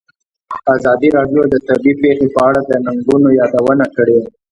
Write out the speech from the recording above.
ازادي راډیو د طبیعي پېښې په اړه د ننګونو یادونه کړې.